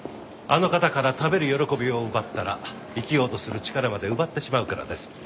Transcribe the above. あの方から食べる喜びを奪ったら生きようとする力まで奪ってしまうからです。